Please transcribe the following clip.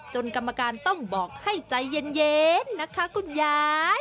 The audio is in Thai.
กรรมการต้องบอกให้ใจเย็นนะคะคุณยาย